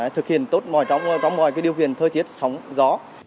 thực hiện tốt mọi trong mọi điều kiện thời tiết sóng gió